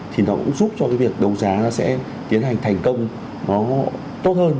thì nó cũng giúp cho cái việc đấu giá nó sẽ tiến hành thành công nó tốt hơn